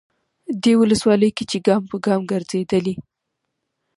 دې ولسوالۍ کې چې ګام به ګام ګرځېدلی،